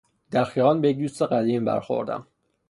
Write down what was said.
در خیابان به یک دوست قدیمی برخورد.